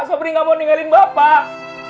sopri gak mau ninggalin bapak